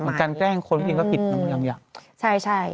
เหมือนการแกล้งคนอีกว่าปิดอย่างเยอะ